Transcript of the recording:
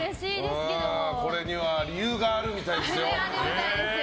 これには理由があるみたいですよ。